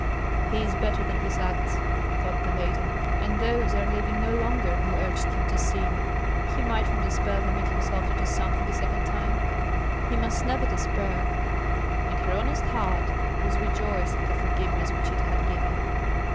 "He is better than his acts," thought the maiden, "and those are living no longer who urged him to sin; he might from despair permit himself to do something a second time; he must never despair." And her honest heart was rejoiced at the forgiveness which it had given.